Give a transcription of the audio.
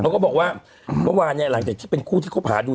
แหละแหละแหละแหละแหละแหละแหละแหละแหละแหละแหละแหละ